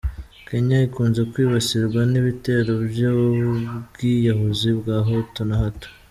Kenya ikunze kwibasirwa n’ibitero by’ubwiyahuzi bwa hato na hato.